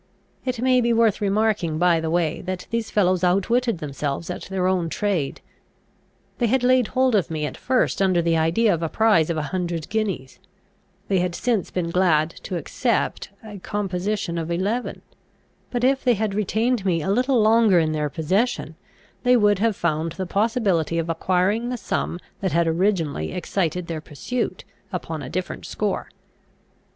It may be worth remarking by the way, that these fellows outwitted themselves at their own trade. They had laid hold of me at first under the idea of a prize of a hundred guineas; they had since been glad to accept a composition of eleven: but if they had retained me a little longer in their possession, they would have found the possibility of acquiring the sum that had originally excited their pursuit, upon a different score.